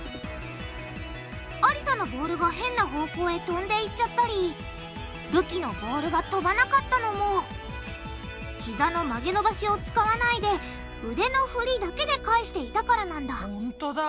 ありさのボールが変な方向へとんでいっちゃったりるきのボールがとばなかったのもひざの曲げ伸ばしを使わないで腕の振りだけで返していたからなんだほんとだ。